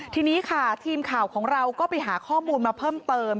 ทีนี้ค่ะทีมข่าวของเราก็ไปหาข้อมูลมาเพิ่มเติม